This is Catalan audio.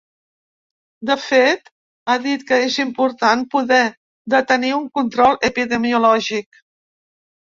De fet, ha dit que és important poder de tenir un control epidemiològic.